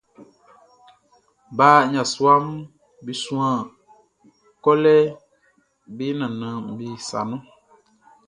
Ba yasuaʼm be suan kolɛ be nannanʼm be sa nun.